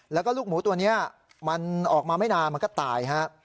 แล้วก็ลูกหมูตัวนี้มันออกมาไม่นานมันก็ตายฮะ